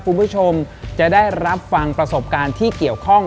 คุณผู้ชมจะได้รับฟังประสบการณ์ที่เกี่ยวข้อง